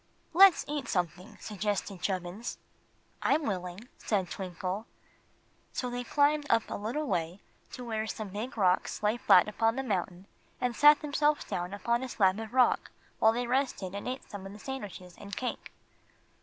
"Let's eat something," suggested Chubbins. "I'm willing," said Twinkle. So they climbed up a little way, to where some big rocks lay flat upon the mountain, and sat themselves down upon a slab of rock while they rested and ate some of the sandwiches and cake.